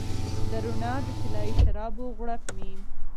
د روڼا د طلایې شرابو غوړپ مې